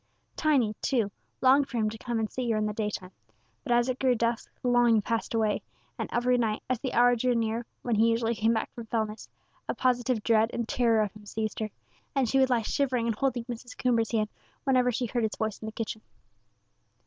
Tiny, too, longed for him to come and see her in the daytime; but as it grew dusk the longing passed away, and every night, as the hour drew near when he usually came back from Fellness, a positive dread and terror of him seized her, and she would lie shivering and holding Mrs. Coomber's hand whenever she heard his voice in the kitchen.